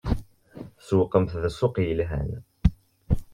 Tsewwqemt-d ssuq yelhan.